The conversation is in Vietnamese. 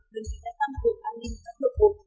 đơn vị đã tăng cường an ninh các cơ cộng